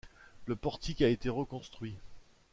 Le portique a été reconstruit.